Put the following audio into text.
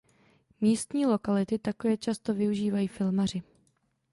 Místní lokality také často využívají filmaři.